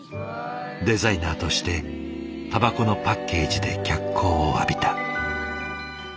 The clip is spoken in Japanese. デザイナーとしてたばこのパッケージで脚光を浴びた。